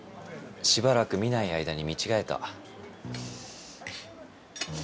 しばらく見ない間に見違えた。